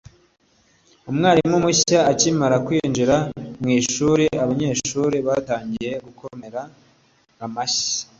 Umwarimu mushya akimara kwinjira mu ishuri abanyeshuri batangiye gukomera amashyi